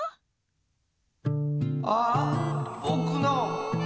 ああぼくの。